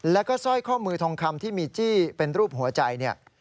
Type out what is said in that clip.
และก็สล้อยข้อมือทงคำที่มีจี้เป็นรูปหัวใจ